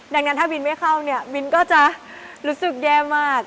ดังนั้นถ้าบินไม่เข้าเนี่ยบินก็จะรู้สึกแย่มาก